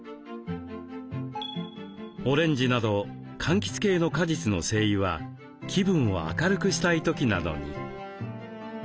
オレンジなどかんきつ系の果実の精油は気分を明るくしたい時などに。